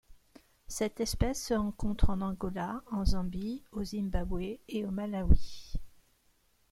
Cette espèce se rencontre en Angola, en Zambie, au Zimbabwe et au Malawi.